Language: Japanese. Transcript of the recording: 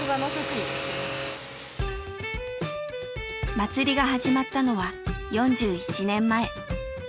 祭りが始まったのは４１年前。